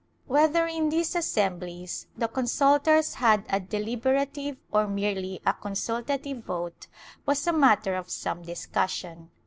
^ Whether, in these assemblies, the consultors had a deliberative or merely a consultative vote, was a matter of some discussion.